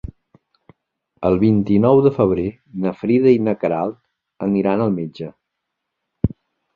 El vint-i-nou de febrer na Frida i na Queralt aniran al metge.